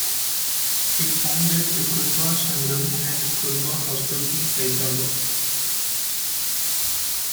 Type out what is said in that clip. He founded the "Kuruba Sangham" and the Kuruba hostel in Hyderabad.